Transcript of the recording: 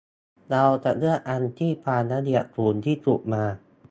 เราจะเลือกอันที่ความละเอียดสูงที่สุดมา